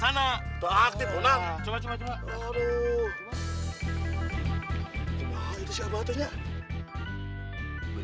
kenapa kita yang jombelin